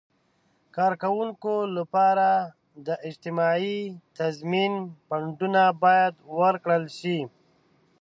د کارکوونکو لپاره د اجتماعي تضمین فنډونه باید ورکړل شي.